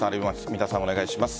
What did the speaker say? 三田さん、お願いします。